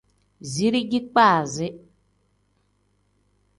Zirigi kpasi.